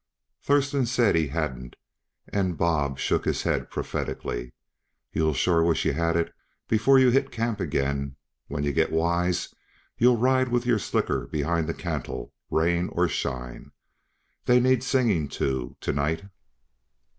Thurston said he hadn't, and Bob shook his head prophetically. "You'll sure wish yuh had it before yuh hit camp again; when yuh get wise, you'll ride with your slicker behind the cantle, rain or shine. They'll need singing to, to night."